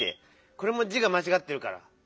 これも字がまちがってるから。